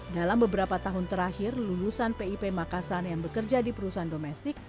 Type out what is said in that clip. dalam beberapa tahun terakhir lulusan pip makassar yang bekerja di perusahaan domestik